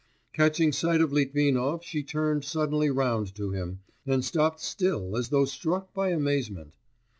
Catching sight of Litvinov she turned suddenly round to him, and stopped still as though struck by amazement.